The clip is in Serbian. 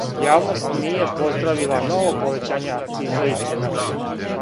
Јавност није поздравила ново повећање акциза и цена.